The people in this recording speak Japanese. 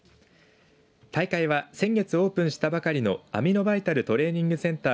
大会は先月オープンしたばかりのアミノバイタルトレーニングセンター